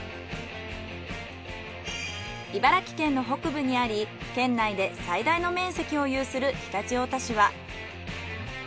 茨城県の北部にあり県内で最大の面積を有する常陸太田市は。